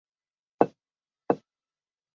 显脉红花荷为金缕梅科红花荷属下的一个种。